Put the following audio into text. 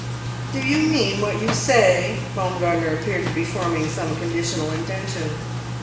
"Do you mean what you say?" Baumgartner appeared to be forming some conditional intention.